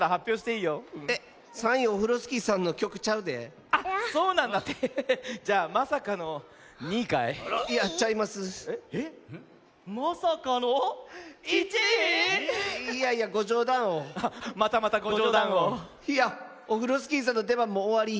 いやオフロスキーさんのでばんもおわり。